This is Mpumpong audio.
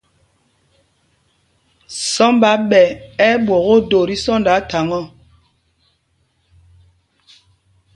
Sɔmb a ɓɛ ɛ̂ ɓwok ódō tí sɔ́ndɔ á thaŋ ɔ.